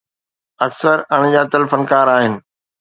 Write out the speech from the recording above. اڪثر اڻڄاتل فنڪار آهن.